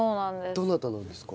どなたなんですか？